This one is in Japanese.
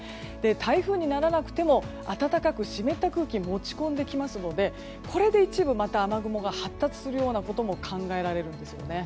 台風にならなくても暖かく湿った空気を持ち込んできますのでこれで一部、雨雲がまた発達するようなことも考えられるんです。